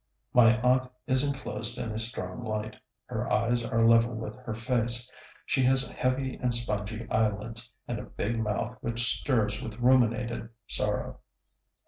My aunt is enclosed in a strong light. Her eyes are level with her face; she has heavy and spongy eyelids and a big mouth which stirs with ruminated sorrow.